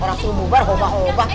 orang suruh bubar hoba hoba